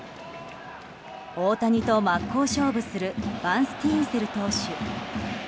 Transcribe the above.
大谷と真っ向勝負するバンスティーンセル投手。